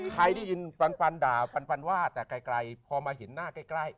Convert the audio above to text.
ใครได้ยินปันด่าปันว่าแต่ไกลพอมาเห็นหน้าใกล้